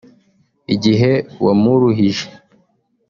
Igihe wamuruhije